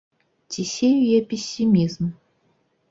Ці сею я песімізм?